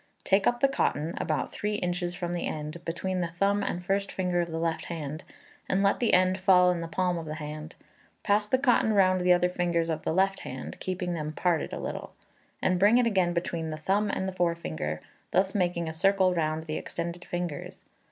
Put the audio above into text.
Take up the cotton, about three inches from the end, between the thumb and first finger of the left hand, and let the end fall in the palm of the hand; pass the cotton round the other fingers of the left hand (keeping them parted a little), and bring it again between the thumb and forefinger, thus making a circle round the extended fingers.